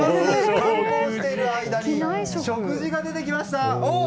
観光している間に食事が出てきました！